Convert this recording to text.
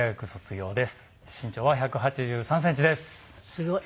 すごい。